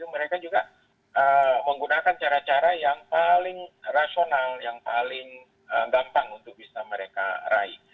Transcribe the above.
mereka juga menggunakan cara cara yang paling rasional yang paling gampang untuk bisa mereka raih